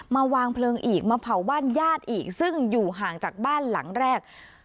มาวางเพลิงอีกมาเผาบ้านญาติอีกซึ่งอยู่ห่างจากบ้านหลังแรก